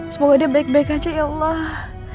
semoga dia baik baik aja ya allah